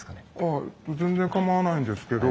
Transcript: はい全然構わないんですけど。